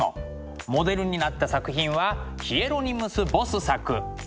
モデルになった作品はヒエロニムス・ボス作「快楽の園」です。